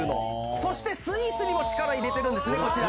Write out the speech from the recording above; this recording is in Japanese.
そしてスイーツにも力入れてるんですね。